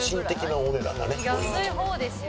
「安い方ですよ」